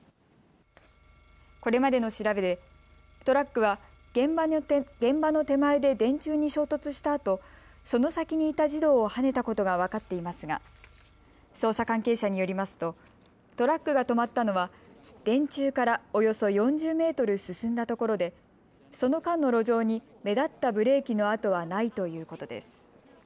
これまでの調べでトラックは現場の手前で電柱に衝突したあとその先にいた児童をはねたことが分かっていますが捜査関係者によりますとトラックが止まったのは電柱からおよそ４０メートル進んだところでその間の路上に目立ったブレーキの跡はないということです。